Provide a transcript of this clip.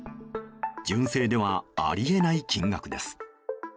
純正ではあり得ない金額です。